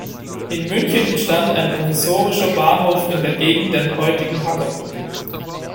In München entstand ein provisorischer Bahnhof in der Gegend der heutigen Hackerbrücke.